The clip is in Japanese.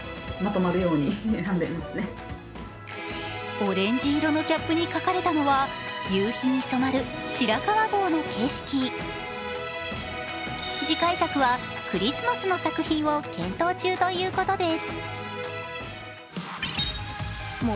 オレンジ色のキャップに描かれたのは、夕日に染まる白川郷の景色次回作はクリスマスの作品を検討中ということです。